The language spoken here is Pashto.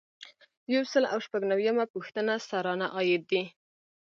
یو سل او شپږ نوي یمه پوښتنه سرانه عاید دی.